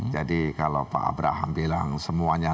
jadi kalau pak abraham bilang semuanya